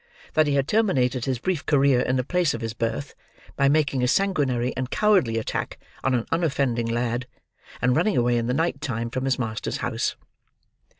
That he had terminated his brief career in the place of his birth, by making a sanguinary and cowardly attack on an unoffending lad, and running away in the night time from his master's house.